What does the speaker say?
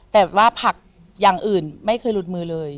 แต่ว่าผักอย่างอื่นไม่เคยหลุดมือเลย